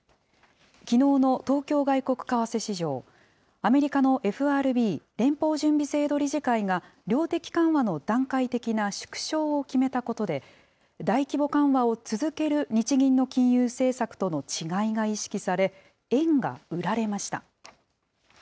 きのうの東京外国為替市場、アメリカのＦＲＢ・連邦準備制度理事会が、量的緩和の段階的な縮小を決めたことで、大規模緩和を続ける日銀の金融政策との違いが意識され、円が売られました。